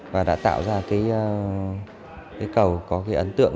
và đã tạo ra cầu có ấn tượng